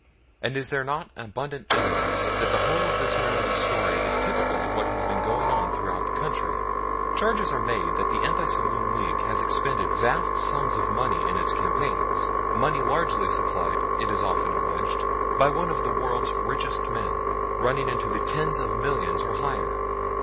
And is there not abundant evidence that the whole of this Maryland story is typical of what has been going on throughout the country? Charges are made that the Anti Saloon League has expended vast sums of money in its campaigns; money largely supplied, it is often alleged, by one of the world's richest men, running into the tens of millions or higher.